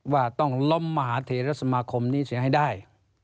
ว่าต้องล้มมหาเทรสมาคมนี้เสียให้ได้